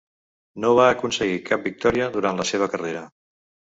No va aconseguir cap victòria durant la seva carrera.